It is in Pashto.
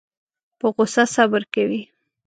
په غوسه صبر کوي.